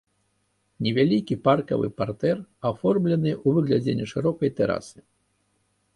Невялікі паркавы партэр аформлены ў выглядзе нешырокай тэрасы.